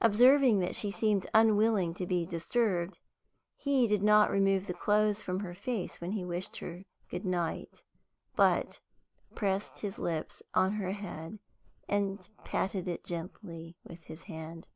Observing that she seemed unwilling to be disturbed, he did not remove the clothes from her face when he wished her goodnight, but pressed his lips on her head, and patted it gently with his hand.